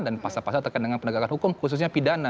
dan pasal pasal tekan dengan penegakan hukum khususnya pidana